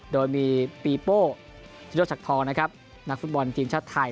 โดยมีปีโป้ชโยชักทองนะครับนักฟุตบอลทีมชาติไทย